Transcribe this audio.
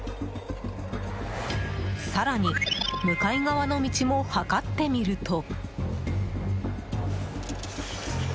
更に、向かい側の道も測ってみると。